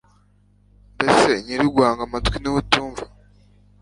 mbese nyir'uguhanga amatwi, ni we utumva